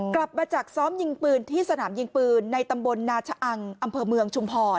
กลับมาจากซ้อมยิงปืนที่สนามยิงปืนในตำบลนาชะอังอำเภอเมืองชุมพร